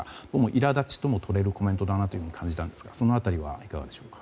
いら立ちともとれるコメントだと感じましたがその辺りはいかがでしょうか。